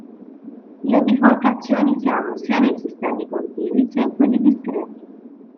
Le biforcazioni si hanno sia nei sistemi continui, sia in quelli discreti.